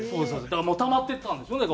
だからもうたまっていったんでしょうね